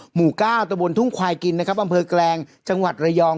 หมู่เก้าตะบนทุ่งควายกินนะครับอำเภอแกลงจังหวัดระยอง